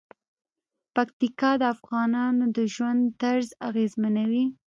پکتیکا د افغانانو د ژوند طرز اغېزمنوي.